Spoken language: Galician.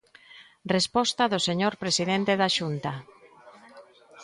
Resposta do señor presidente da Xunta.